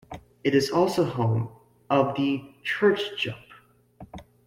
It is also home of the churchjump.